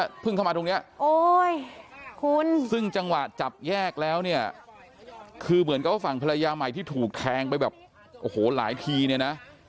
ครับพึ่งเข้ามาตรงนี้คุณสิซึ่งจังหวะจับแยกแล้วเนี่ยคือเหมือนก็ฝั่งภรรยามัยที่ถูกแทงไปแบบโอ้โหหลายทีเนี๊ยนะ